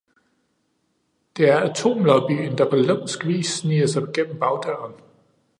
Det er atomlobbyen, der på lumsk vis sniger sig gennem bagdøren.